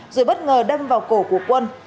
rồi bất ngờ đâm vào cổ của quân